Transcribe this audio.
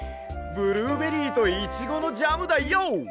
ブルーベリーとイチゴのジャムだＹＯ！